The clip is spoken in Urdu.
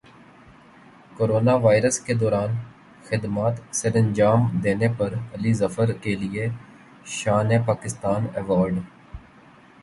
کورونا وائرس کے دوران خدمات سرانجام دینے پر علی ظفر کیلئے شان پاکستان ایوارڈ